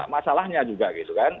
masalahnya juga gitu kan